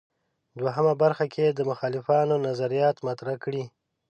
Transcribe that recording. دوهمه برخه کې د مخالفانو نظریات مطرح کړي.